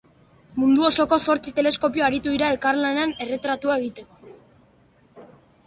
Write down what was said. Mundu osoko zortzi teleskopio aritu dira elkarlanean erretratua egiteko.